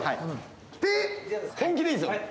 本気でいいですよ。